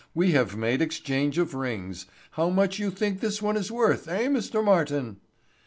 We have made exchange of rings. How much you think this one is worth, eh, Mr. Martin?"